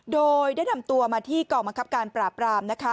โดยได้นำตัวมาที่กองบังคับการปราบรามนะคะ